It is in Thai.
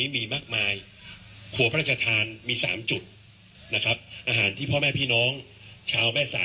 มี๓จุดนะครับอาหารที่พ่อแม่พี่น้องชาวแม่สาย